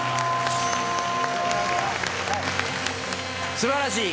素晴らしい！